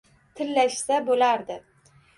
Tillashsa bo’lardi